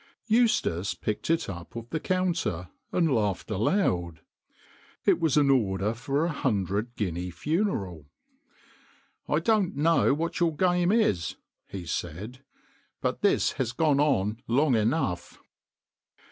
Eustace picked it up off the counter and laughed aloud. It was an order for a hundred guinea funeral. " I don't know what your game is," he said, "but this has gone on long enough."